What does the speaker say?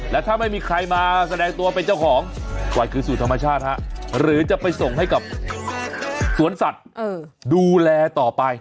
และถ้าไม่มีใครมาแสดงตัวเป็นเจ้าของปล่อยคืนสู่ธรรมชาติหรือจะไปส่งให้กับสวนสัตว์ดูแลต่อไป